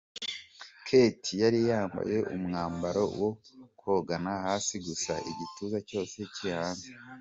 Kate yari yambaye umwambaro wo kogana hasi gusa, igituza cyose kiri hanze.